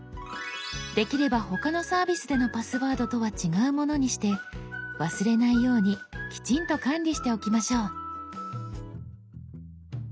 できれば他のサービスでのパスワードとは違うものにして忘れないようにきちんと管理しておきましょう。